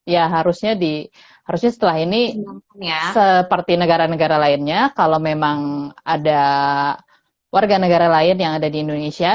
ya harusnya di harusnya setelah ini seperti negara negara lainnya kalau memang ada warga negara lain yang ada di indonesia